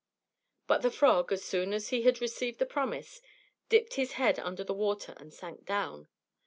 But the frog, as soon as he had received the promise, dipped his head under the water and sank down.